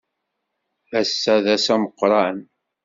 Ass-a d ass ameqran.